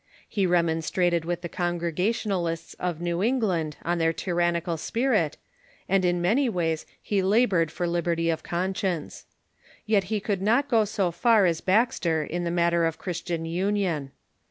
He remonstrated with the Congregationalists of New England on their tyrannical spirit, and in many ways he labored for liberty of conscience. Yet he could not go so far as Baxter in the matter of Christian imion.